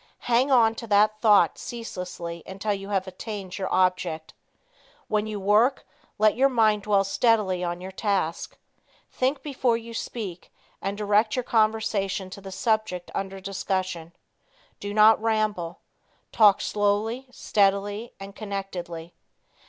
Hang on to that thought ceaselessly until you have attained your object. When you work, let your mind dwell steadily on your task. Think before you speak and direct your conversation to the subject under discussion. Do not ramble. Talk slowly, steadily and connectedly.